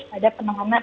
pada penanganan drs